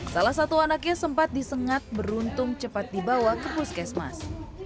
salah satu anaknya sempat disengat beruntung cepat dibawa ke puskesmas